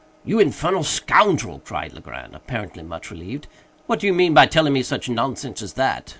"You infernal scoundrel!" cried Legrand, apparently much relieved, "what do you mean by telling me such nonsense as that?